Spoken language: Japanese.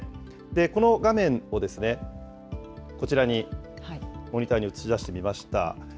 この画面を、こちらにモニターに映し出してみました。